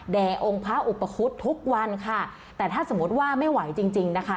แด่องค์พระอุปคุฎทุกวันค่ะแต่ถ้าสมมุติว่าไม่ไหวจริงจริงนะคะ